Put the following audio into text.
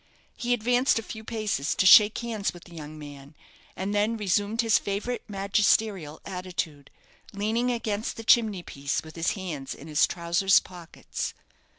He advanced a few paces, to shake hands with the young man, and then resumed his favourite magisterial attitude, leaning against the chimney piece, with his hands in his trousers' pockets.